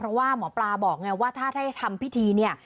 เพราะว่าหมอปลาบอกไงว่าถ้าทำพิธีเนี่ย